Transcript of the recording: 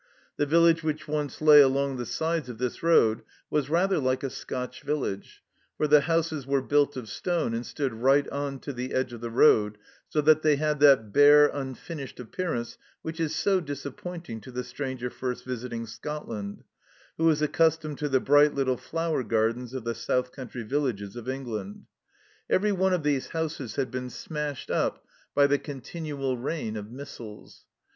The village which once lay along the sides of this road was rather like a Scotch village, for the houses were built of stone, and stood right on to the edge of the road, so they had that bare, unfinished appearance which is so disappointing to the stranger first visiting Scotland, who is accustomed to the bright little flower gardens of the south country villages of England. Every one of these houses had been smashed up by the THE CELLAR HOUSE 123 continual rain of missiles.